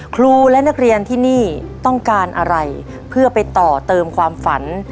ครูและนักเรียนที่นี่ต้องการอะไรเพื่อไปต่อเติมความฝัน